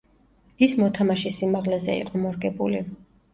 ის მოთამაშის სიმაღლეზე იყო მორგებული.